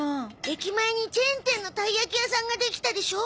駅前にチェーン店のたいやき屋さんができたでしょ。